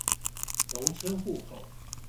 農村戶口